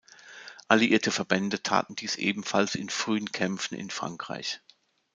Alliierte Verbände taten dies ebenfalls in frühen Kämpfen in Frankreich.